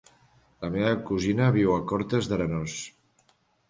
La meva cosina viu a Cortes d'Arenós.